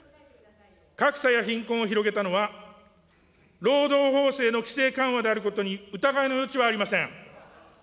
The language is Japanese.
格差や貧困を広げたのは、労働法制の規制緩和であることに疑いの余地はありません。